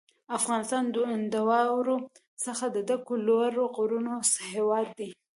افغانستان د واورو څخه د ډکو لوړو غرونو هېواد دی.